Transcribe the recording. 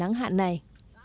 mùa nắng hạn này